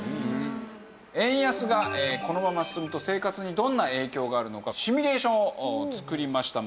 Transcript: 円安がこのまま進むと生活にどんな影響があるのかシミュレーションを作りました。